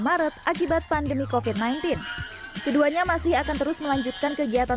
maret akibat pandemi kofit sembilan belas keduanya masih akan terus melanjutkan kegiatan